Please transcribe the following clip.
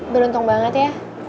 beruntung banget ya